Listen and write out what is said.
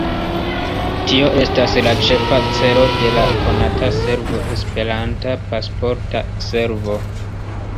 Tio estas la ĉefa celo de la konata servo esperanta Pasporta Servo.